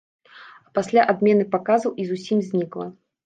А пасля адмены паказаў і зусім знікла.